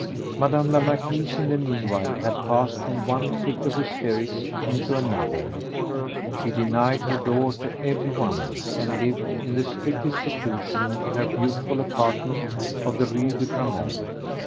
Madame la Marquise, in the meanwhile, had passed from one fit of hysterics into another. She denied her door to everyone and lived in the strictest seclusion in her beautiful apartment of the Rue de Grammont.